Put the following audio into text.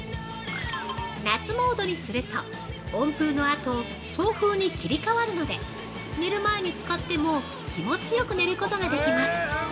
夏モードにすると、温風のあと送風に切り替わるので寝る前に使っても気持ちよく寝ることができます。